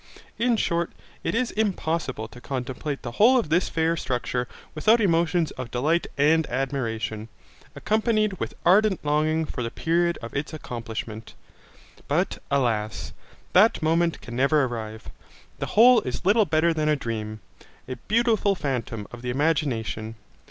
In short, it is impossible to contemplate the whole of this fair structure without emotions of delight and admiration, accompanied with ardent longing for the period of its accomplishment. But, alas! that moment can never arrive. The whole is little better than a dream, a beautiful phantom of the imagination.